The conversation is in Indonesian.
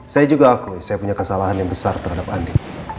saya juga akui saya punya kesalahan yang besar terhadap andi